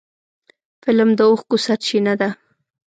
فلم د اوښکو سرچینه ده